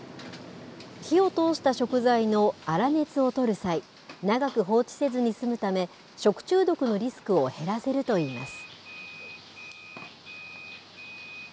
火を通した食材の粗熱を取る際長く放置せずに済むため食中毒のリスクを減らせると言います。